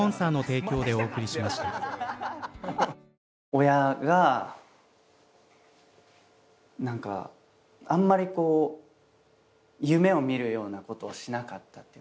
親が何かあんまりこう夢を見るようなことをしなかったっていうか。